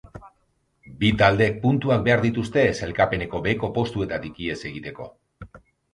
Bi taldeek puntuak behar dituzte sailkapeneko beheko postuetatik ihes egiteko.